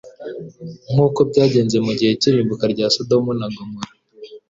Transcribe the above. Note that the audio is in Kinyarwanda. nk uko byagenze mu gihe cy irimbuka rya sodomu na gomora